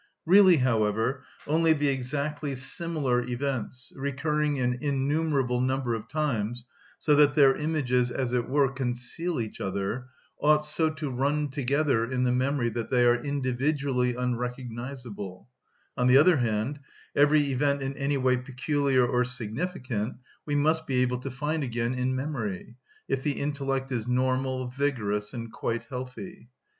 Really, however, only the exactly similar events, recurring an innumerable number of times, so that their images, as it were, conceal each other, ought so to run together in the memory that they are individually unrecognisable; on the other hand, every event in any way peculiar or significant we must be able to find again in memory, if the intellect is normal, vigorous, and quite healthy.